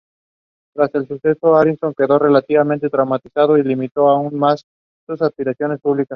Tras el suceso, Harrison quedó relativamente traumatizado y limitó aún más sus apariciones públicas.